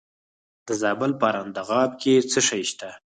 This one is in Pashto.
د زابل په ارغنداب کې څه شی شته؟